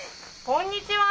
こんにちは！